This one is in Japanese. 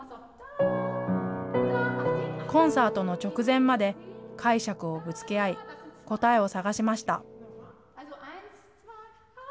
コンサートの直前まで、解釈をぶつけ合い、答えを探しました。